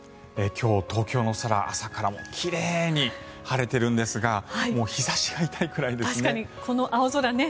今日は東京の空朝から奇麗に晴れてるんですが日差しが痛いくらいですね。